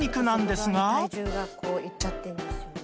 気がつくと外側に体重がこういっちゃってるんですよね。